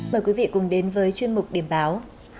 mời quý vị cùng đến với chuyên mục điểm báo